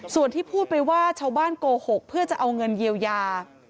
ส่วนที่พูดไปว่าชาวบ้านโกหกเพื่อจะเอาเงินเยียวยา